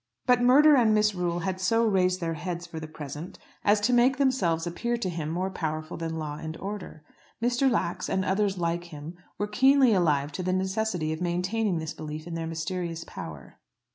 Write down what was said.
But murder and misrule had so raised their heads for the present as to make themselves appear to him more powerful than law and order. Mr. Lax, and others like him, were keenly alive to the necessity of maintaining this belief in their mysterious power.